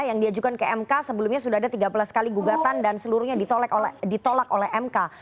yang diajukan ke mk sebelumnya sudah ada tiga belas kali gugatan dan seluruhnya ditolak oleh mk